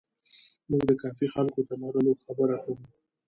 موږ د کافي خلکو د لرلو خبره کوو.